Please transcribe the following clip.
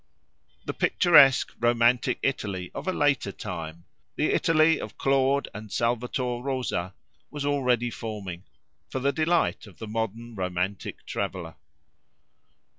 The picturesque, romantic Italy of a later time—the Italy of Claude and Salvator Rosa—was already forming, for the delight of the modern romantic traveller.